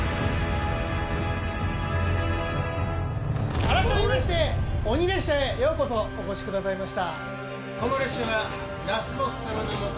改めまして、鬼列車へようこそお越しくださいました。